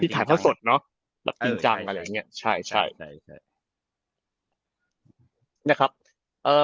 พี่ถ่ายเพราะสดเนาะจริงจังอะไรอย่างนี้ใช่ใช่